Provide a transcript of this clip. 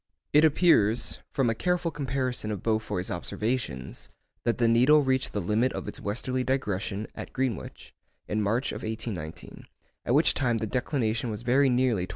It appears, from a careful comparison of Beaufoy's observations, that the needle reached the limit of its western digression (at Greenwich) in March 1819, at which time the declination was very nearly 25°.